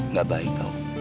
nggak baik tahu